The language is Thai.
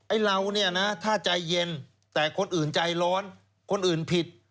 เราเนี่ยนะถ้าใจเย็นแต่คนอื่นใจร้อนคนอื่นผิด